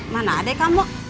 mana adek kamu